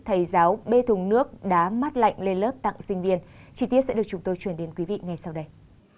thầy giáo bê thùng nước đá mát lạnh lên lớp tặng sinh viên chi tiết sẽ được chúng tôi chuyển đến quý vị ngay sau đây